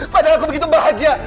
padahal aku begitu bahagia